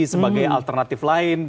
sebagai alternatif lain